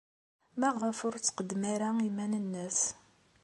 Maɣef ur d-tqeddem ara iman-nnes?